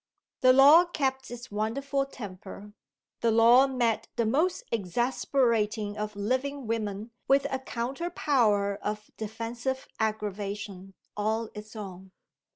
(The law kept its wonderful temper! The law met the most exasperating of living women with a counter power of defensive aggravation all its own!)